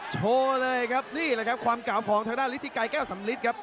โชว์เลยครับนี่แหละครับความเก่าของทางด้านฤทธิไกรแก้วสำลิดครับ